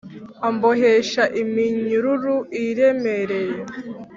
ambohesha iminyururu iremereye.